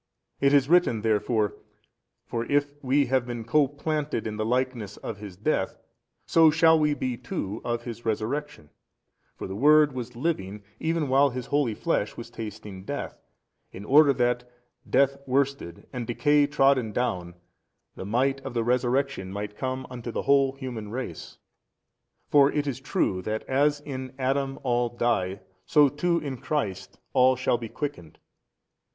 It is written therefore, For if we have been co planted in the likeness of His death so shall we be too of His resurrection: for the Word was living, even while His holy flesh was tasting death in order that, death worsted and decay trodden down, the might of the resurrection might come unto the whole human race. For it is true, that as in Adam all die so too in Christ all shall be quickened.